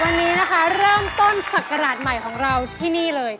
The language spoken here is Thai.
วันนี้นะคะเริ่มต้นศักราชใหม่ของเราที่นี่เลย